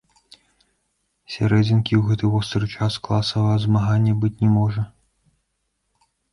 Сярэдзінкі ў гэты востры час класавага змагання быць не можа!